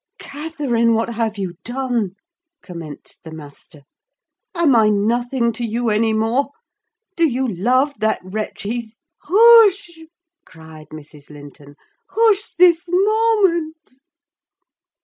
"Catherine, what have you done?" commenced the master. "Am I nothing to you any more? Do you love that wretch Heath—" "Hush!" cried Mrs. Linton. "Hush, this moment!